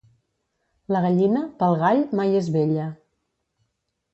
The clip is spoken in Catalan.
La gallina, pel gall, mai és vella.